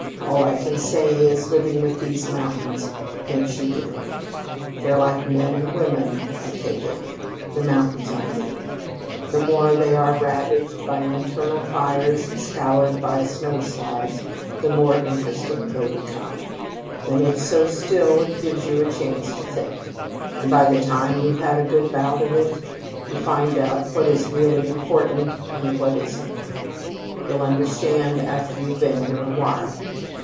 All I can say is, living with these mountains makes you different. They're like men and women, I take it. (The mountains, I mean.) The more they are ravaged by internal fires and scoured by snow slides, the more interesting they become. "Then it's so still it gives you a chance to think, and by the time you've had a good bout of it, you find out what is really important and what isn't. You'll understand after you've been here awhile.